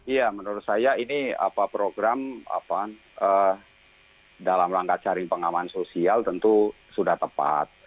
ya menurut saya ini program dalam rangka jaring pengaman sosial tentu sudah tepat